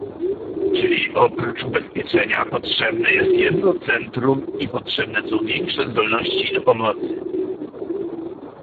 Czyli oprócz ubezpieczenia potrzebne jest jedno centrum i potrzebne są większe zdolności do pomocy